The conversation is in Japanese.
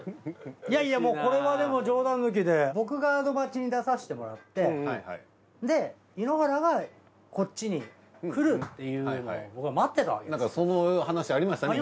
いやいやもうこれはでも冗談抜きで僕が「アド街」に出させてもらってで井ノ原がこっちに来るっていうのを僕は待ってたわけです。